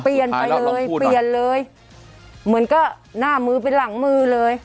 เปลี่ยนไปเลยเปลี่ยนเลยเหมือนก็หน้ามือเป็นหลังมือเลย